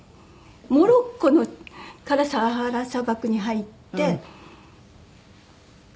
モロッコからサハラ砂漠に入って。